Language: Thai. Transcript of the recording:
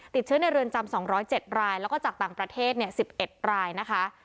ติดเชื้อในเรือนจำสองร้อยเจ็ดรายแล้วก็จากต่างประเทศเนี่ยสิบเอ็ดรายนะคะ